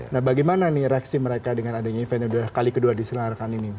nah bagaimana reaksi mereka dengan adanya event yang sudah kali kedua di selang arkan ini